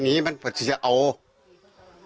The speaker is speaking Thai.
อันนี้เป็นคำกล่าวอ้างของทางฝั่งของพ่อตาที่เป็นผู้ต้องหานะ